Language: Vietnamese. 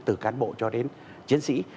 từ cán bộ cho đến chiến sĩ